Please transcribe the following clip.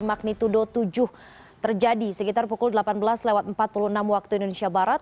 magnitudo tujuh terjadi sekitar pukul delapan belas empat puluh enam waktu indonesia barat